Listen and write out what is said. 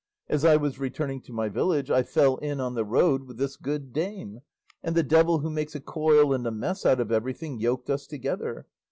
As I was returning to my village I fell in on the road with this good dame, and the devil who makes a coil and a mess out of everything, yoked us together.